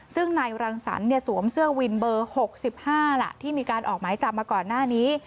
ซึ่งนายรังสรรค์สวมเสื้อวินเบอร์๖๕ล่ะที่มีการออกหมายจับมาก่อนหน้านี้